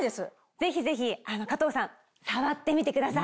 ぜひぜひ加藤さん触ってみてください。